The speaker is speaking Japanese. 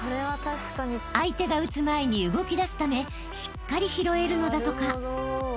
［相手が打つ前に動きだすためしっかり拾えるのだとか］